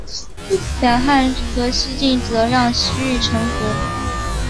两汉和西晋则让西域臣服。